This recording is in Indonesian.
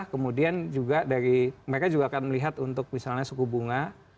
kemudian juga dari mereka juga akan melihat untuk misalnya suku bunga